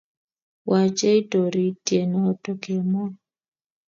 Wachei toritie noto kemoi